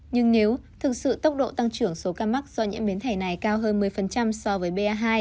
nhưng nếu thực sự tốc độ tăng trưởng số ca mắc do nhiễm biến thể này cao hơn một mươi so với ba hai